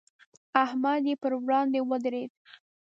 احمد یې پر وړاندې ودرېد.